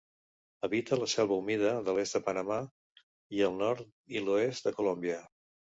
Habita la selva humida de l'est de Panamà i el nord i l'oest de Colòmbia.